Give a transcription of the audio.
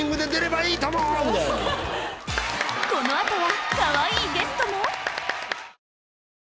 この後はかわいいゲストも！